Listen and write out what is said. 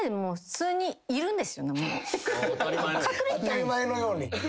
当たり前のように。